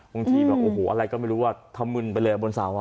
บางทีแบบโอ้โหอะไรก็ไม่รู้ว่าทำมึนไปเลยบนเสา